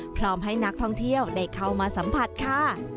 พร้อมให้นักท่องเที่ยวได้เข้ามาสัมผัสค่ะ